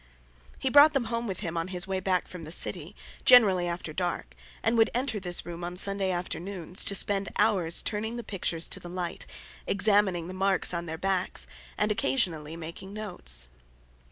He brought them home with him on his way back from the City, generally after dark, and would enter this room on Sunday afternoons, to spend hours turning the pictures to the light, examining the marks on their backs, and occasionally making notes.